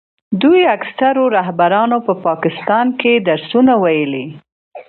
دوی اکثرو رهبرانو په پاکستان کې درسونه ویلي.